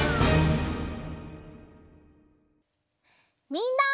みんな。